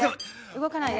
動かないで。